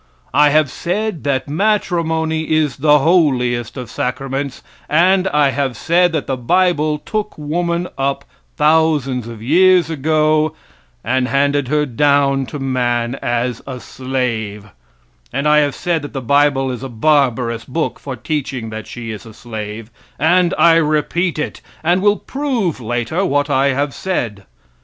I have said that matrimony is the holiest of sacraments, and I have said that the bible took woman up thousands of years ago and handed her down to man as a slave, and I have said that the bible is a barbarous book for teaching that she is a slave, and I repeat it, and will prove later what I have said.